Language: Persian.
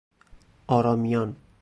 آرامیان